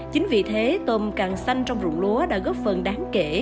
chính vì thế tôm càng xanh trong rụng lúa đã góp phần đáng kể